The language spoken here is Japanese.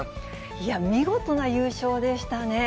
いや、見事な優勝でしたね。